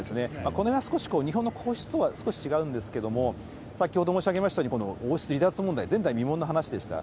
このへんが少し日本の皇室とは少し違うんですけれども、先ほど申し上げましたように、王室離脱問題、前代未聞の話でした。